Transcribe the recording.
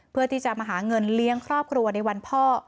เพื่อที่จะมาหาเงินเลี้ยงครอบครัวในวันพ่อ